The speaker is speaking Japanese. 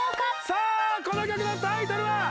さあこの曲のタイトルは？